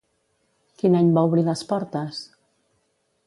Quin any va obrir les portes?